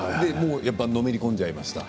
やっぱりのめり込んじゃいました？